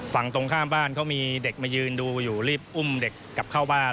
ฝั่งตรงข้ามบ้านเขามีเด็กมายืนดูอยู่รีบอุ้มเด็กกลับเข้าบ้าน